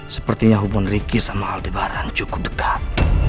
sepertinya hubungan ricky sama aldebaran cukup dekat